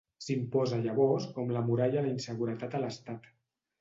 S'imposa llavors com la muralla a la inseguretat a l'Estat.